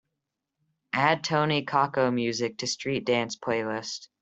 Add Tony Kakko music to Street Dance playlist